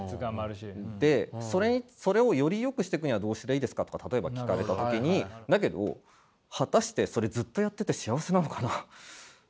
でそれをよりよくしていくにはどうしたらいいですか？とかたとえば聞かれた時にだけど果たしてそれずっとやってて幸せなのかな？